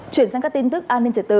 chuyển sang các tin tức an ninh trở tự